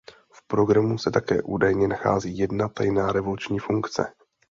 V programu se také údajně nachází jedna tajná revoluční funkce.